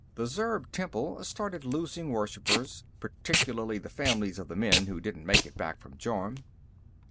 The Zurb temple started losing worshipers, particularly the families of the men who didn't make it back from Jorm.